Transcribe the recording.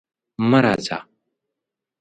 مه راځه!